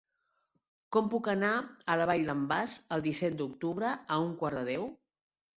Com puc anar a la Vall d'en Bas el disset d'octubre a un quart de deu?